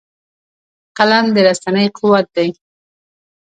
قلم د رسنۍ قوت دی